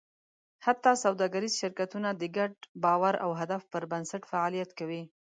حتی سوداګریز شرکتونه د ګډ باور او هدف پر بنسټ فعالیت کوي.